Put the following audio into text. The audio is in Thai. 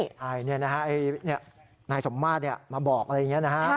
ใช่นี่นะครับนายสมมาศมาบอกอะไรอย่างนี้นะครับ